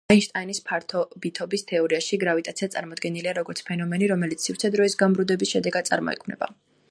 აინშტაინის ფარდობითობის თეორიაში, გრავიტაცია წარმოდგენილია როგორც ფენომენი, რომელიც სივრცე-დროის გამრუდების შედეგად წარმოიქმნება.